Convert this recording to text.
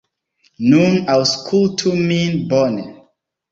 Nun aŭskultu min bone.